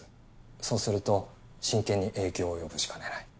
そうすると親権に影響を及ぼしかねない。